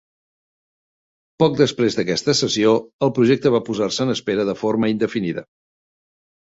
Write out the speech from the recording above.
Poc després d'aquesta sessió el projecte va posar-se en espera de forma indefinida.